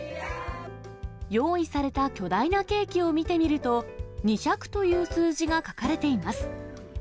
用意された巨大なケーキを見てみると、２００という数字が書かれています。